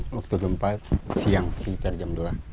waktu gempa siang sekitar jam dua